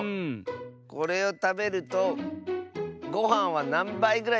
これをたべるとごはんはなんばいぐらいたべられますか？